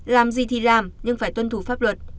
làm gì thì làm nhưng phải tuân thủ pháp luật